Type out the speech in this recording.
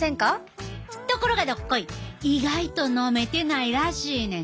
ところがどっこい意外と飲めてないらしいねん。